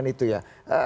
dengan itu ya